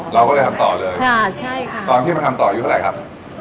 เราก็เลยทำต่อเลยตอนที่ทำต่ออยู่เท่าไหร่ครับ